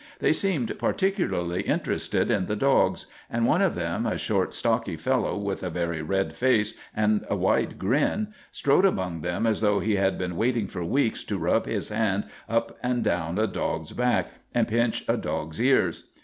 They seemed particularly interested in the dogs, and one of them, a short, stocky fellow, with a very red face and a wide grin, strode among them as though he had been waiting for weeks to rub his hand up and down a dog's back and pinch a dog's ears.